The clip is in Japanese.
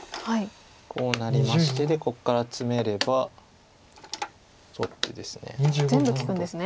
こうなりましてでここからツメれば取ってですね。